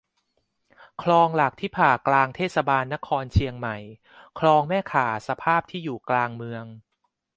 คลองหลักที่ผ่ากลางเทศบาลนครเชียงใหม่ คลองแม่ข่าสภาพที่อยู่กลางเมือง